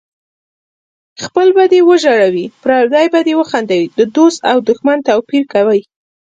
خپل به دې وژړوي پردی به دې وخندوي د دوست او دښمن توپیر کوي